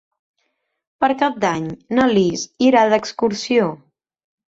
Per Cap d'Any na Lis irà d'excursió.